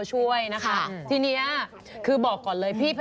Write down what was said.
สวัสดีค่ะสวัสดีค่ะ